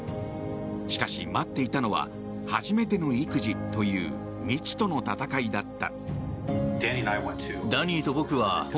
しかし、待っていたのは初めての育児という未知との闘いだった。